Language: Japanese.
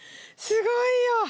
すごいよ。